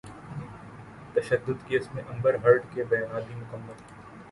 تشدد کیس میں Amber Heard کے بیانات بھی مکمل